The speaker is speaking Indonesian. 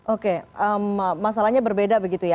oke masalahnya berbeda begitu ya